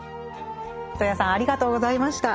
戸谷さんありがとうございました。